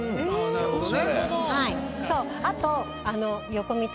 なるほどね。